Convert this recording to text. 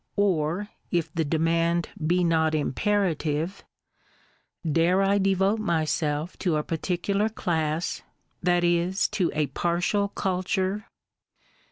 or if the demand be not imperative, — Dare I devote myself to a particular class, — that is, to a partial culture?